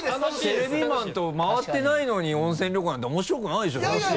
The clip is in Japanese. テレビマンと回ってないのに温泉旅行なんて面白くないでしょ？だって。